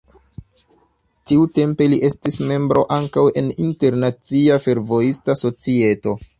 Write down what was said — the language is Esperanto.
Tiutempe li estis membro ankaŭ en internacia fervojista societo.